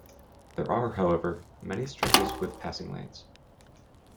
There are, however, many stretches with passing lanes.